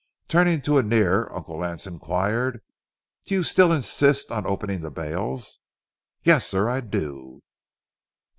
Turning to Annear, Uncle Lance inquired, "Do you still insist on opening the bales?" "Yes, sir, I do."